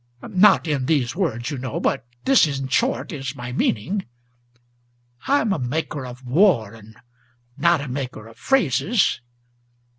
Not in these words, you know, but this in short is my meaning; I am a maker of war, and not a maker of phrases.